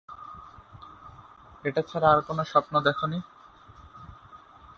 এটা ছাড়া আর কোনো স্বপ্ন দেখ নি?